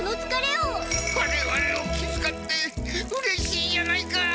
われわれを気づかってうれしいじゃないか！